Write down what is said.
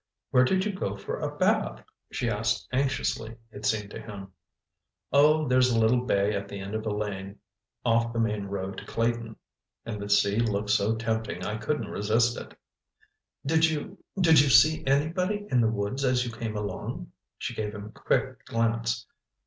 "Where did you go for a bath?" she asked anxiously, it seemed to him. "Oh, there's a little bay at the end of a lane off the main road to Clayton. And the sea looked so tempting I couldn't resist it." "Did you—did you see anybody in the woods as you came along?" She gave him a quick glance.